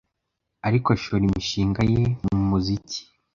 ariko ashora imishinga ye mu muziki